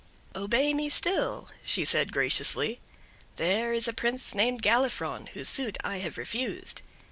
"Obey me still," she said graciously. "There is a prince named Galifron, whose suit I have refused.